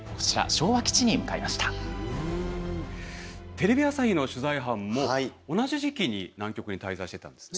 テレビ朝日の取材班も同じ時期に南極に滞在してたんですね。